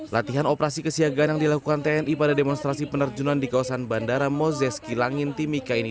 latihan operasi kesiagaan yang dilakukan tni pada demonstrasi penerjunan di kawasan bandara mozeski langin timika ini